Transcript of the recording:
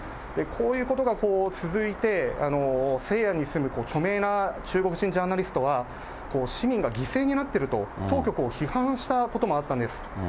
こういうことが続いて、西安に住む著名な中国人ジャーナリストは、市民が犠牲になってると、当局を批判したこともあったんです。